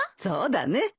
そうだね。